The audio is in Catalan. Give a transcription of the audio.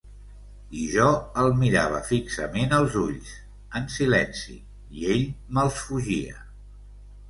I jo el mirava fixament als ulls, en silenci, i ell me'ls fugia.